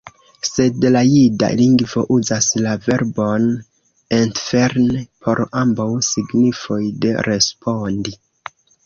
Sed la jida lingvo uzas la verbon entfern por ambaŭ signifoj de respondi.